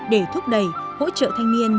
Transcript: để thúc đẩy hỗ trợ thanh niên